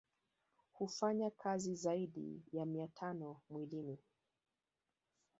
Hufanya kazi zaidi ya mia tano mwilini